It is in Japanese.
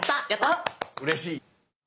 うれしい。